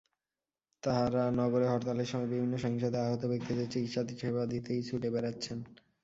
তাঁরা নগরে হরতালের সময় বিভিন্ন সহিংসতায় আহত ব্যক্তিদের চিকিৎসেবা দিতেই ছুটে বেড়াচ্ছেন।